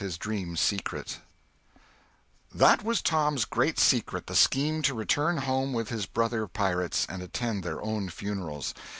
CHAPTER XVIII THAT was Tom's great secret—the scheme to return home with his brother pirates and attend their own funerals.